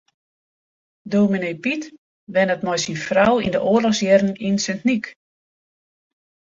Dominee Pyt wennet mei syn frou yn de oarlochsjierren yn Sint Nyk.